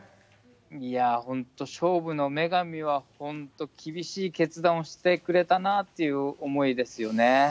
いやぁ、本当、勝負の女神は本当、厳しい決断をしてくれたなっていう思いですよ